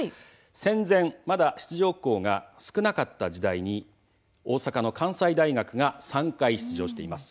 戦前まだ出場校が少なかった時に大阪の関西大学が３回出場しています。